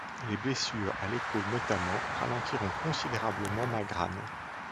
Les blessures, à l'épaule notamment, ralentiront considérablement Magrane.